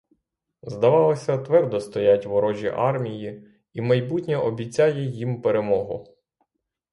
Здавалося, твердо стоять ворожі армії і майбутнє обіцяє їм перемогу.